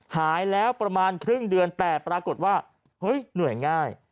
หายแล้วประมาณครึ่งเดือนแต่ปรากฏว่าเฮ้ยเหนื่อยง่าย